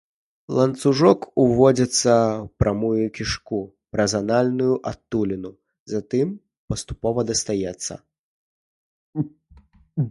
Ланцужок уводзіцца ў прамую кішку праз анальную адтуліну, затым паступова дастаецца.